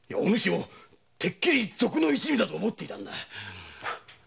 てっきり賊の一味と思っていたんだ。